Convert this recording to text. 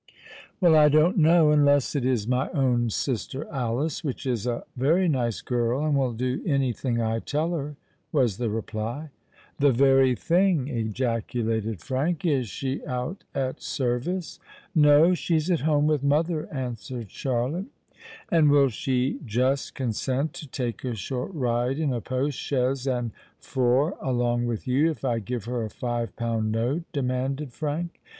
"Well—I don't know—unless it is my own sister Alice, which is a very nice girl, and will do any thing I tell her," was the reply. "The very thing!" ejaculated Frank. "Is she out at service?" "No—she's at home with mother," answered Charlotte. "And will she just consent to take a short ride in a post chaise and four along with you, if I give her a five pound note?" demanded Frank.